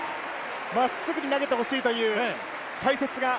まっすぐに投げてほしいという解説が。